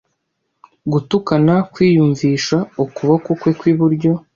Gutukana, kwiyumvisha ukuboko kwe kw'iburyo